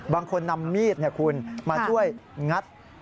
บางคนนำมีดคุณมาช่วยงัด